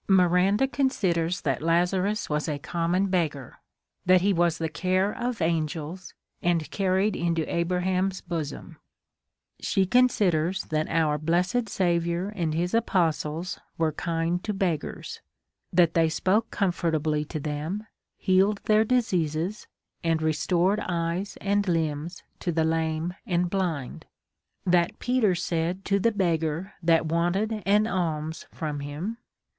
Miranda considers that Lazarus was a common beg gar, that he was the care of angels, and carried into Abraham's bosom. She considers that our blessed Sa viour and his apostles were kind to beggars ; that tliey spoke comfortably to them, healed their diseases, and restored eyes and limbs to the lame and blind. That Peter said to the beggar that wanted an alms from him.